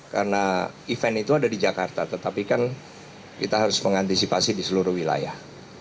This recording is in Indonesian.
karena event itu ada di jakarta tetapi kan kita harus mengantisipasi di seluruh wilayah